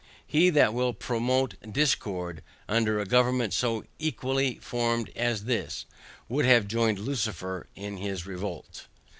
He that will promote discord, under a government so equally formed as this, would have joined Lucifer in his revolt.